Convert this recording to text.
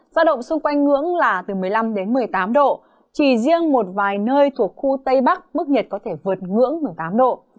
giao động xung quanh ngưỡng là từ một mươi năm đến một mươi tám độ chỉ riêng một vài nơi thuộc khu tây bắc mức nhiệt có thể vượt ngưỡng một mươi tám độ